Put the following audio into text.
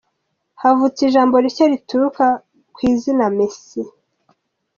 Havutse ijambo rishya rituruka ku izina Mesi